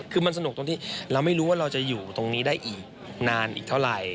คือมันสนุกตรงที่เราไม่รู้ว่าเราจะอยู่ตรงนี้ได้อีกนานอีกเท่าไหร่